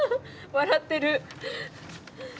笑ってる。